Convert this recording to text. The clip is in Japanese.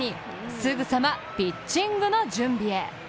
すぐさまピッチングの準備へ。